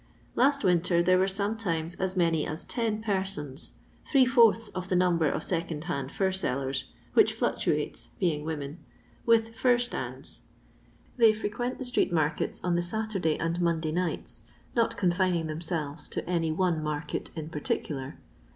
Last winter there were sometimes as many as ten persons — ^three fourths of the number of second hand fur sellers, which flucttiates, being women — with fur stands. They frequent the street markets on the Saturday and Monday nights, not confining themselves to any one market in particular.